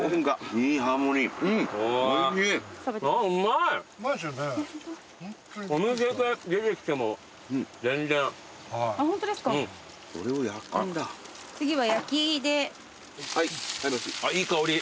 あぁいい香り。